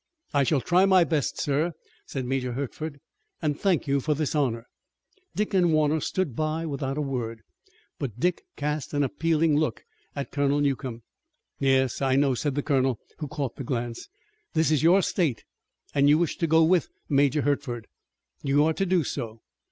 "I shall try my best, sir," said Major Hertford, "and thank you for this honor." Dick and Warner stood by without a word, but Dick cast an appealing look at Colonel Newcomb. "Yes, I know," said the Colonel, who caught the glance. "This is your state, and you wish to go with Major Hertford. You are to do so.